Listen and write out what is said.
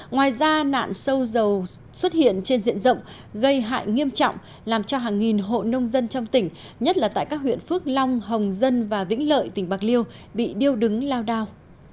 ngoài ra nạn sâu dầu xuất hiện trên diện rộng gây hại nghiêm trọng làm cho hàng nghìn hộ nông dân trong tỉnh nhất là tại các huyện phước long hồng dân và vĩnh lợi tỉnh bạc liêu bị điêu đứng lao đao